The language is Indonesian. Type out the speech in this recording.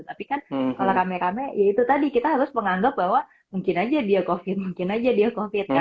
tapi kan kalau rame rame ya itu tadi kita harus menganggap bahwa mungkin aja dia covid